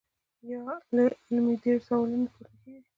يا لا علمۍ ډېر سوالونه پورته کيږي -